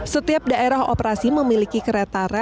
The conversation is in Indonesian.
setiap daerah operasi memiliki kereta api yang berbeda